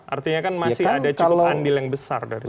artinya kan masih ada cukup andil yang besar dari situ